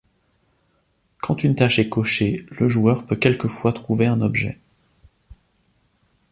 Quand une tâche est cochée, le joueur peut quelquefois trouver un objet.